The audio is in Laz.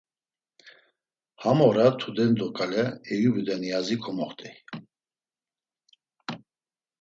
Ham ora tudendo ǩale Eyubi do Niyazi komoxt̆ey.